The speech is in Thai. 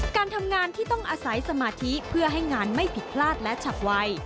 การทำงานที่ต้องอาศัยสมาธิเพื่อให้งานไม่ผิดพลาดและฉับไว